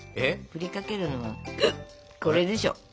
ふりかけるのはこれでしょ！